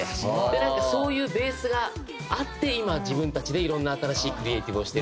なんかそういうベースがあって今は自分たちでいろんな新しいクリエイティブをしてるっていう。